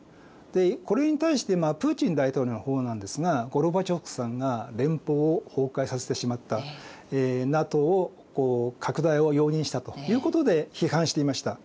でこれに対してプーチン大統領の方なんですがゴルバチョフさんが連邦を崩壊させてしまったＮＡＴＯ拡大を容認したということで批判していました。